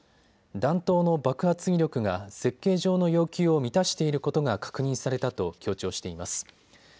弾頭の爆発威力が設計上の要求を満たしていることが確認されたと強調しています。